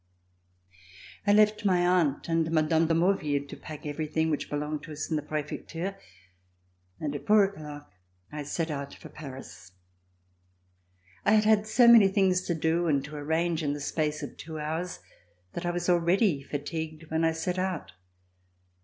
I left my aunt and Mme. de Maurville to pack everything which belonged to us in the Prefecture, and at four o'clock I set out for Paris. I had had so many things to do and to arrange in the space of two hours, that I was already fatigued when I set out.